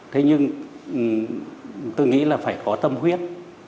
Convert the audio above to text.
thế nhưng tôi nghĩ là phải có tâm huyết